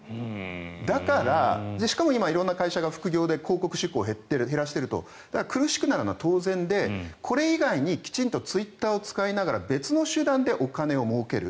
だから、しかも今、色んな会社が広告を減らしているので苦しくなるのは当然でこれ以外にきちんとツイッターを使いながら別の集団でお金をもうける。